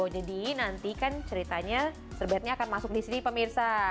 jadi nanti kan ceritanya serbetnya akan masuk di sini pak mirsa